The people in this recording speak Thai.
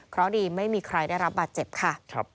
เพราะดีไม่มีใครได้รับบาดเจ็บค่ะ